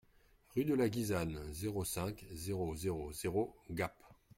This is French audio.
Rue de la Guisane, zéro cinq, zéro zéro zéro Gap